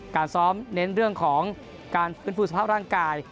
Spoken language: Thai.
การซ้อมเน้นเรื่องของการฟื้นฟูสภาพร่างกาย